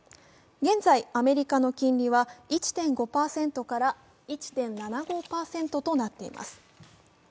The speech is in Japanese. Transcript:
現在、アメリカの金利は１．５％から１．７５％となっています。